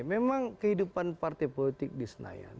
memang kehidupan partai politik di senayan